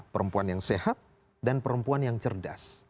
perempuan yang sehat dan perempuan yang cerdas